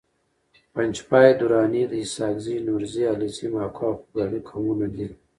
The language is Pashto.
پنجپاي دراني د اسحاقزي، نورزي، علیزي، ماکو او خوګیاڼي قومونو دي